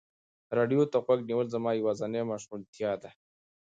راډیو ته غوږ نیول زما یوازینی مشغولتیا ده.